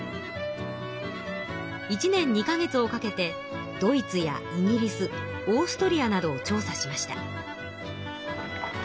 １年２か月をかけてドイツやイギリスオーストリアなどを調査しました。